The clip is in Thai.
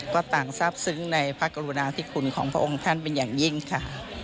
ก็ต่างทราบซึ้งในพระกรุณาธิคุณของพระองค์ท่านเป็นอย่างยิ่งค่ะ